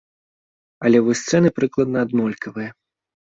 Але вось цэны прыкладна аднолькавыя.